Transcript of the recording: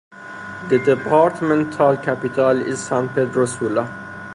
The departmental capital is San Pedro Sula.